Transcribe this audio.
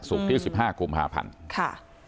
ศุกร์ที่๑๕กุม๕พันธุ์ค่ะค่ะ